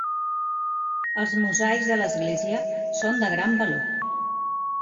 Els mosaics de l'església són de gran valor.